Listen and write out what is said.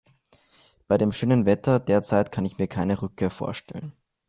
Bei dem schönen Wetter derzeit kann ich mir keine Rückkehr vorstellen.